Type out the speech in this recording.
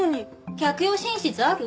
客用寝室ある？